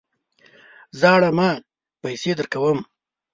ژاړه مه ! پیسې درکوم.